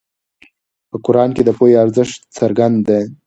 په قرآن کې د پوهې ارزښت څرګند دی.